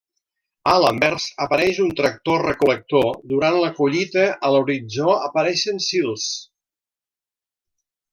A l'anvers apareix un tractor recol·lector durant la collita i a l'horitzó apareixen sils.